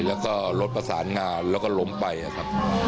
แล้วก็รถประสานงานแล้วก็ล้มไปครับ